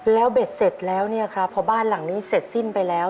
แล้วเบ็ดเสร็จแล้วเนี่ยครับพอบ้านหลังนี้เสร็จสิ้นไปแล้ว